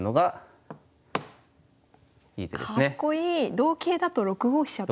同桂だと６五飛車って。